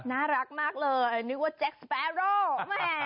น่ารักมากเลยนึกว่าแจ็คสแปรโรล